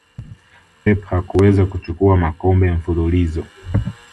pep hakuweza kuchukua makombe mfululizo